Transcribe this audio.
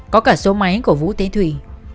có cả số máy của vũ tế thùy